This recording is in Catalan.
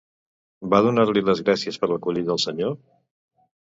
Va donar-li les gràcies per l'acollida al senyor?